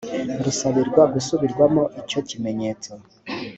rusabirwa gusubirwamo icyo kimenyetso